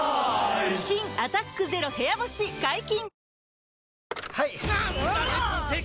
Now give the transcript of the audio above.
新「アタック ＺＥＲＯ 部屋干し」解禁‼